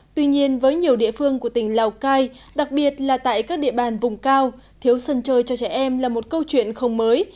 tuy nhiên với nhiều địa phương của tỉnh lào cai đặc biệt là tại các địa bàn vùng cao thiếu sân chơi cho trẻ em là một câu chuyện không mới